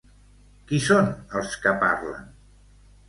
Qui són els que parlen?